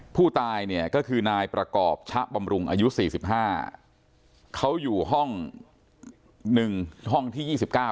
ผู้ตายเนี่ยก็คือนายประกอบชะบำรุงอายุ๔๕เขาอยู่ห้อง๑ห้องที่๒๙